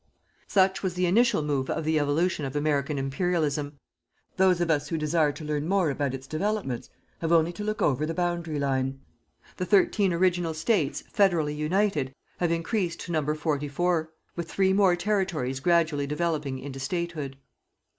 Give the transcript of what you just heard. Such was the initial move of the evolution of American Imperialism. Those amongst us who desire to learn more about its developments have only to look over the boundary line. The thirteen original States, federally united, have increased to number forty four, with three more territories gradually developing into Statehood.